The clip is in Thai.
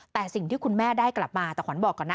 แต่สิ่งที่คุณแม่ได้กลับมาแต่ขวัญบอกก่อนนะ